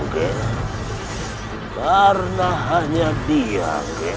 karena hanya dia